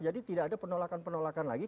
jadi tidak ada penolakan penolakan lagi